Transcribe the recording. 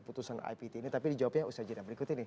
putusan ipt ini tapi di jawabnya usaha jirah berikut ini